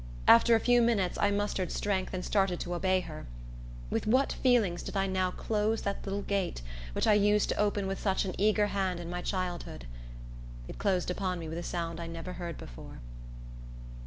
After a few minutes, I mustered strength, and started to obey her. With what feelings did I now close that little gate, which I used to open with such an eager hand in my childhood! It closed upon me with a sound I never heard before.